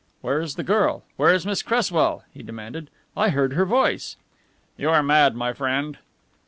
"Where is the girl, where is Miss Cresswell?" he demanded. "I heard her voice." "You are mad, my friend."